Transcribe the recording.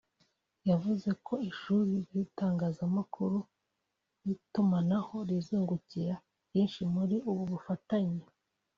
yavuze ko ishuri ry’itangazamakuru n’itumanaho rizungukira byinshi muri ubu bufatanye